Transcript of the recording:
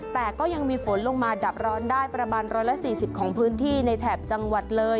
แต่ก็ยังมีฝนลงมาดับร้อนได้ประมาณ๑๔๐ของพื้นที่ในแถบจังหวัดเลย